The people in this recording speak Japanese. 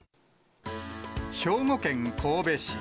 兵庫県神戸市。